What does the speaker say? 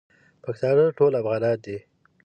پښتانه ټول افغانان دی